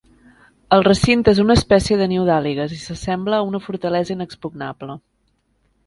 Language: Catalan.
El recinte és una espècie de niu d'àligues i s'assembla a una fortalesa inexpugnable.